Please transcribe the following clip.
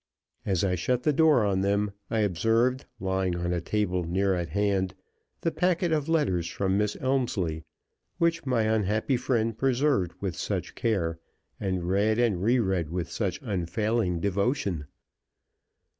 As I shut the door on them, I observed lying on a table near at hand the packet of letters from Miss Elmslie, which my unhappy friend preserved with such care, and read and re read with such unfailing devotion.